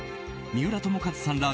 三浦友和さんら